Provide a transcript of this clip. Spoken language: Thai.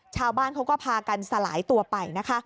ชาวบ้านเขาก็พากันสลายตัวไปนะคะ